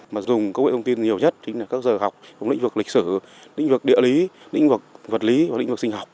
mà dùng công nghệ thông tin nhiều nhất chính là các giờ học trong lĩnh vực lịch sử lĩnh vực địa lý lĩnh vực vật lý và lĩnh vực sinh học